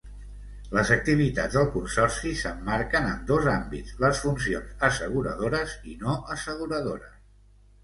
Les activitats del Consorci s'emmarquen en dos àmbits: les funcions asseguradores i no asseguradores.